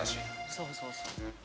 「そうそうそう」